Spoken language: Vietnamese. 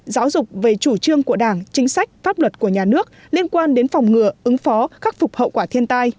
giáo dục về chủ trương của đảng chính sách pháp luật của nhà nước liên quan đến phòng ngừa ứng phó khắc phục hậu quả thiên tai